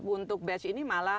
untuk batch ini malah